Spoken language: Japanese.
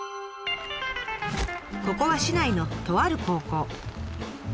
ここは市内のとある高校。